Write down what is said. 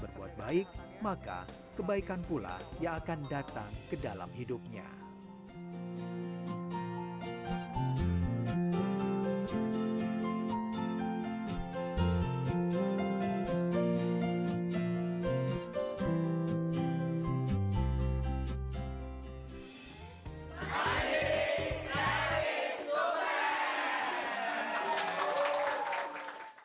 berpohon dan dipercayai yang paling penting adalah bagaimana kita bisa memperbaiki kesehatan yang tersebut